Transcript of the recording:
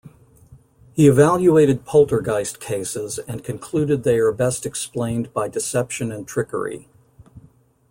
He evaluated poltergeist cases and concluded they are best explained by deception and trickery.